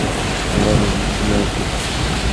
বললো, যদি ওর কথা মেনে না চলি, তাহলে আমাকে মেরে ফেলবে।